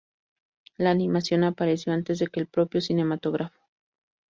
La animación apareció antes que el propio cinematógrafo.